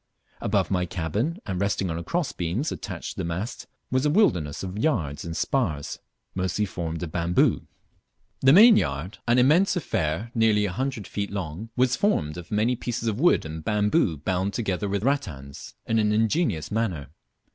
Above my cabin, and resting on cross beams attached to the masts, was a wilderness of yards and spars, mostly formed of bamboo. The mainyard, an immense affair nearly a hundred feet long, was formed of many pieces of wood and bamboo bound together with rattans in an ingenious manner.